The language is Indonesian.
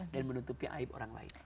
dan menutupi aib orang lain